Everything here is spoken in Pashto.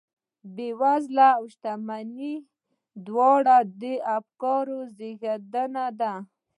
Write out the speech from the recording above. بېوزلي او شتمني دواړې د افکارو زېږنده دي.